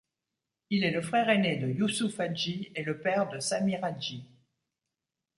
Il est le frère aîné de Youssouf Hadji, et le père de Samir Hadji.